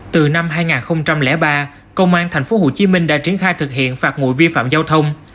từ năm hai nghìn ba công an tp hcm đã triển khai thực hiện phạt ngụy vi phạm giao thông